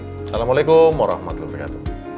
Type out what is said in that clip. assalamualaikum warahmatullahi wabarakatuh